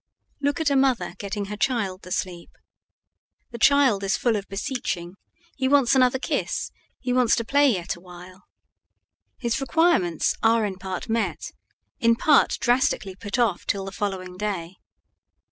Look at a mother getting her child to sleep. The child is full of beseeching; he wants another kiss; he wants to play yet awhile. His requirements are in part met, in part drastically put off till the following day.